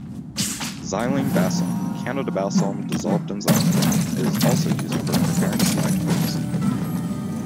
Xylene balsam, Canada balsam dissolved in xylene, is also used for preparing slide mounts.